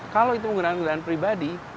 kalau itu menggunakan kendaraan pribadi